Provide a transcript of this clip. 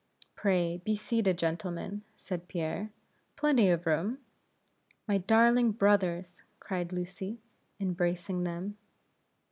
"Pray, be seated, gentlemen," said Pierre. "Plenty of room." "My darling brothers!" cried Lucy, embracing them.